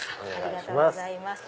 ありがとうございます。